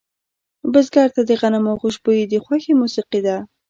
بزګر ته د غنمو خوشبويي د خوښې موسیقي ده